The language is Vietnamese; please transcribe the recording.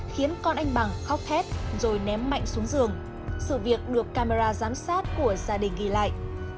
khiến con anh bằng khóc hết rồi ném mạnh xuống giường sự việc được camera giám sát của gia đình ghi lại